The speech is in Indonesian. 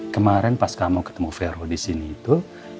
kemarin pas kamu ketemu vero disini itu